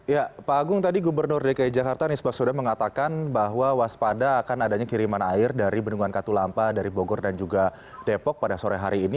ya pak agung tadi gubernur dki jakarta nisbah sudan mengatakan bahwa waspada akan adanya kiriman air dari bendungan katulampa dari bogor dan juga depok pada sore hari ini